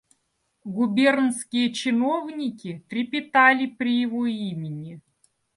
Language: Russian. Губернские чиновники трепетали при его имени.